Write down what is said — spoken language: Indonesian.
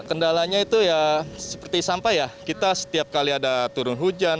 kendalanya itu ya seperti sampah ya kita setiap kali ada turun hujan